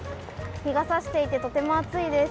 日が差していてとても暑いです。